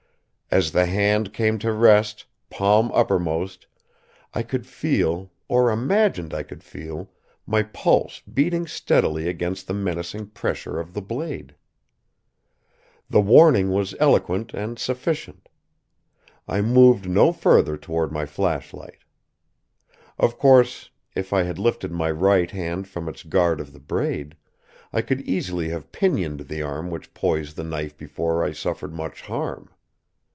As the hand came to rest, palm uppermost, I could feel, or imagined I could feel my pulse beating steadily against the menacing pressure of the blade. The warning was eloquent and sufficient; I moved no further toward my flashlight. Of course, if I had lifted my right hand from its guard of the braid, I could easily have pinioned the arm which poised the knife before I suffered much harm.